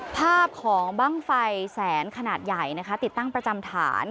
ภาพของบ้างไฟแสนขนาดใหญ่นะคะติดตั้งประจำฐาน